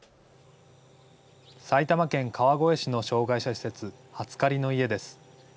埼玉県川越市の障害者施設、初雁の家です。